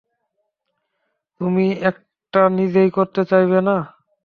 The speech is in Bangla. তুমি এটা নিজেই করতে চাইবে না।